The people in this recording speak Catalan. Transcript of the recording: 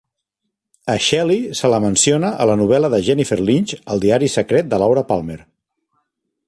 A Shelly se la menciona a la novel·la de Jennifer Lynch "El Diari Secret de Laura Palmer".